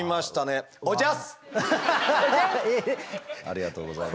ありがとうございます。